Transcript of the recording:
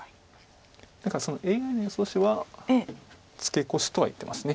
何かＡＩの予想手はツケコシとは言ってます。